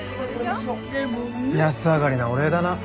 安上がりなお礼だな。